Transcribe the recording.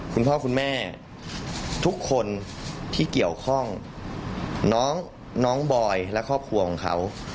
คุณพ่อคุณแม่ทุกคนที่เกี่ยวข้องน้องบอยและครอบครัวของเขา